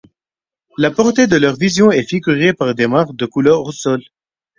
La portée de leur vision est figurée par des marques de couleur au sol.